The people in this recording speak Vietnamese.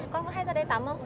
con có hay ra đây tắm không